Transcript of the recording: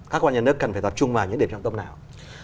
các quan nhà nước cần phải tập trung vào những điểm trọng tâm nào